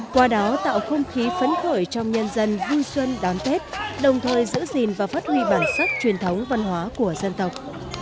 qua đó tạo không khí phấn khởi trong nhân dân vui xuân đón tết đồng thời giữ gìn và phát huy bản sắc truyền thống văn hóa của dân tộc